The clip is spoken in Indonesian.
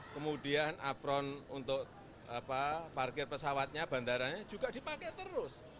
kemudian afron untuk parkir pesawatnya bandaranya juga dipakai terus